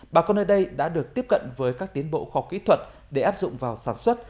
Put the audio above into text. bà con ở đây đã được tiếp cận với các tiến bộ kho kỹ thuật để áp dụng vào sản xuất